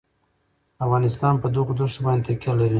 افغانستان په دغو دښتو باندې تکیه لري.